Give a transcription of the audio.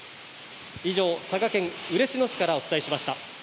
以上、佐賀県嬉野市からお伝えしました。